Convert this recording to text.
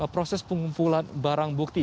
proses pengumpulan barang bukti